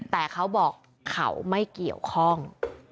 แต่เขาบอกเขาไม่เกี่ยวข้อง